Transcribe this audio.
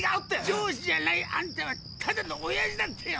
上司じゃないあんたはただのオヤジだってよ！